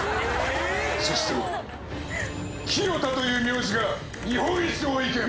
そして清田という名字が日本一多い県！